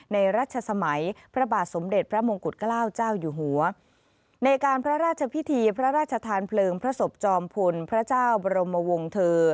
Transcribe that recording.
รัชสมัยพระบาทสมเด็จพระมงกุฎเกล้าเจ้าอยู่หัวในการพระราชพิธีพระราชทานเพลิงพระศพจอมพลพระเจ้าบรมวงเถอร์